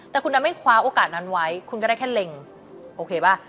แต่คุณนั้นไม่คว้าโอกาสนั้นไว้คุณก็ได้แค่เล็งโอเคป่ะ